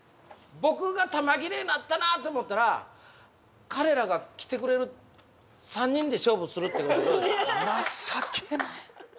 僕が弾切れになったなって思ったら彼らが来てくれる３人で勝負するっていうのはどうですか？